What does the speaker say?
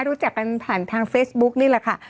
รู้จักกันผ่านทางเฟซบุ๊กนี่แหละค่ะ